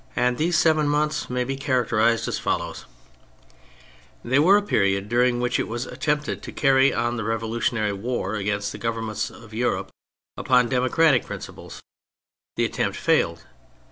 And these seven months may be characterised as follows :— They were a period during which it was attempted to carry on the revolutionary war against the Governments of Europe upon democratic principles. The attempt failed.